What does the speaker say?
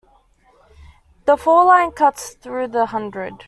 The fall line cuts through the hundred.